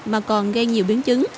mà còn gây nhiều biến chứng